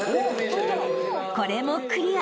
［これもクリア］